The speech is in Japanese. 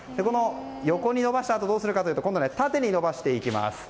横に伸ばしたあとどうするかというと縦に伸ばしていきます。